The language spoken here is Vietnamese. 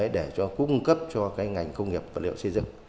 để cung cấp cho ngành công nghiệp vật liệu xây dựng